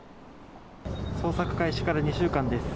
捜索開始から２週間です。